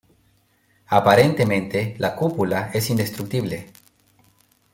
Aparentemente, la cúpula es indestructible.